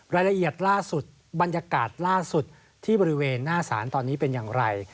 รายละเอียดล่าสุดบรรยากาศล่าสุดที่บริเวณหน้าศาลตอนนี้เป็นอย่างไร